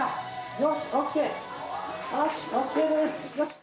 よし、ＯＫです。